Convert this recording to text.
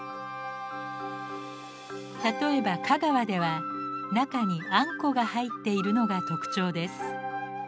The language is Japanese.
例えば香川では中にあんこが入っているのが特徴です。